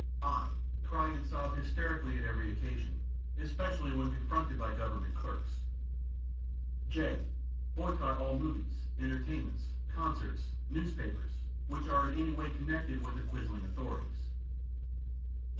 (i) Cry and sob hysterically at every occasion, especially when confronted by government clerks. (j) Boycott all movies, entertainments, concerts, newspapers which are in any way connected with the quisling authorities.